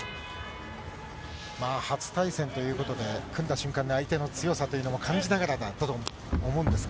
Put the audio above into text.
初対戦ということで、組んだ瞬間に、相手の強さというのを感じながらだったと思うんですが。